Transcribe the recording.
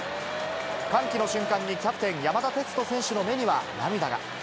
歓喜の瞬間にキャプテン、山田哲人選手の目には涙が。